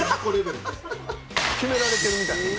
極められてるみたいな。